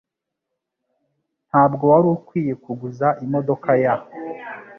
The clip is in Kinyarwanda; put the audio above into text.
Ntabwo wari ukwiye kuguza imodoka ya